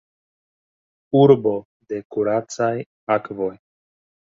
Urbo de kuracaj akvoj.